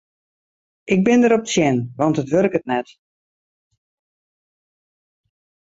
Ik bin derop tsjin want it wurket net.